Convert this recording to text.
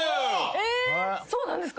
・そうなんですか？